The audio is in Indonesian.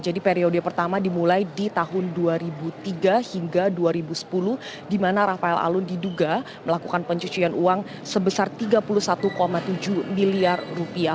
jadi periode pertama dimulai di tahun dua ribu tiga hingga dua ribu sepuluh dimana rafael alun diduga melakukan pencucian uang sebesar tiga puluh satu tujuh miliar rupiah